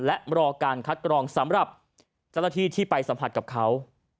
และรอการคัดกรองสำหรับเจ้าหน้าที่ที่ไปสัมผัสกับเขา